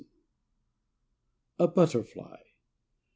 A BUTTERFLY.